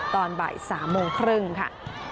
ตอนบ่าย๓โมงครึ่งค่ะ